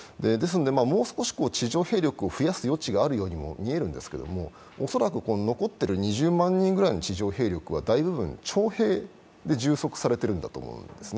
もう少し地上兵力を増やす余地があるように見えるんですけれども恐らく、残っている２０万人くらいの地上兵陸は大部分、徴兵で充足されているんだと思うんです。